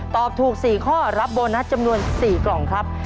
ตอบถูก๔ข้อรับโบนัสจำนวน๔กล่องครับ